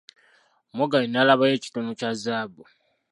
Morgan n'alabayo ekitundu kya zaabu.